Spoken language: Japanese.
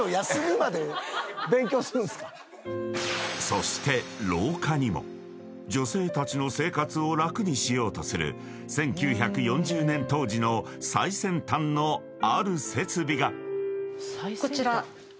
［そして廊下にも女性たちの生活を楽にしようとする１９４０年当時の最先端のある設備が］